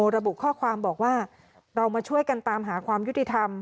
ระบุข้อความบอกว่าเรามาช่วยกันตามหาความยุติธรรม